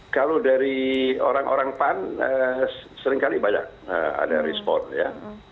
kalau dari orang orang pan seringkali banyak ada respon ya